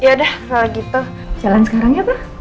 iya udah kalau gitu jalan sekarang ya pak